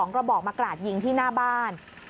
กระบอกมากราดยิงที่หน้าบ้าน